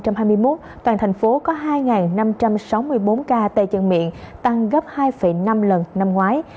và tuần một mươi một của năm hai nghìn hai mươi một toàn thành phố có hai năm trăm sáu mươi bốn ca tây chân miệng tăng gấp hai năm lần năm ngoái